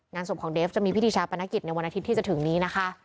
ศพของเดฟจะมีพิธีชาปนกิจในวันอาทิตย์ที่จะถึงนี้นะคะ